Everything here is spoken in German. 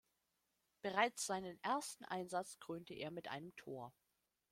Bereits seinen ersten Einsatz krönte er mit einem Tor.